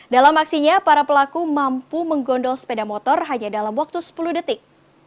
dalam aksinya para pelaku mampu menggondol sepeda motor hanya dalam waktu sepuluh detik